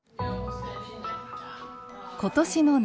今年の夏